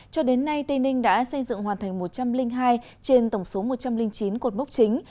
cho đến nay tây ninh đã xây dựng hoàn thành một trăm linh hai trên tổng số một trăm linh chín cột mốc chính